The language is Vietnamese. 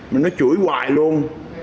mà nó chửi hoài luôn